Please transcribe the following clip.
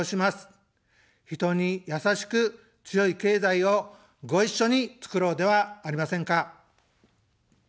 人に「やさしく強い経済」をご一緒につくろうではありませんか。